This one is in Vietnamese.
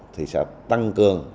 thì sẽ tăng cường